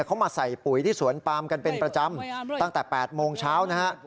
เขามาใส่ปุ๋ยที่สวนปามกันเป็นประจำตั้งแต่๘โมงเช้านะฮะ